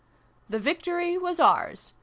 The victory was ours !